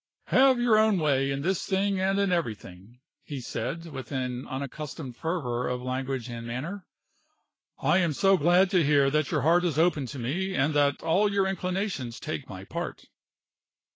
"Have your own way in this thing and in everything!" he said, with an unaccustomed fervor of language and manner. "I am so glad to hear that your heart is open to me, and that all your inclinations take my part."